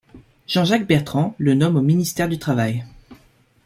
Jean-Jacques Bertrand le nomme au ministère du Travail.